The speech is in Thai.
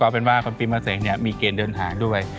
เอาเป็นว่าคนปีมะเสกเนี่ยมีเกณฑ์เดินทางด้วย